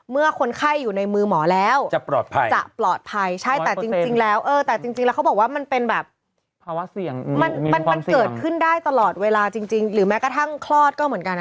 เดี๋ยวนี้มันก็มีอะไรน่ากลัวเยอะ